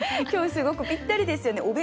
今日すごくぴったりですよね。